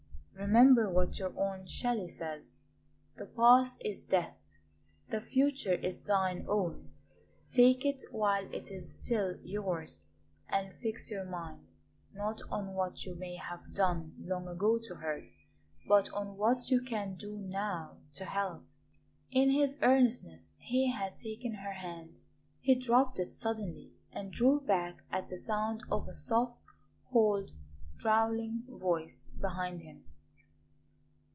Remember what your own Shelley says: 'The past is Death's, the future is thine own.' Take it, while it is still yours, and fix your mind, not on what you may have done long ago to hurt, but on what you can do now to help." In his earnestness he had taken her hand. He dropped it suddenly and drew back at the sound of a soft, cold, drawling voice behind him.